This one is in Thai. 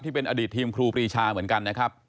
เป็นอดีตทีมครูปรีชาเหมือนกันนะครับ